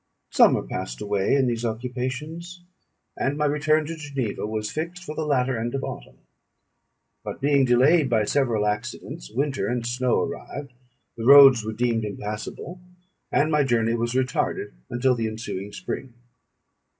Summer passed away in these occupations, and my return to Geneva was fixed for the latter end of autumn; but being delayed by several accidents, winter and snow arrived, the roads were deemed impassable, and my journey was retarded until the ensuing spring.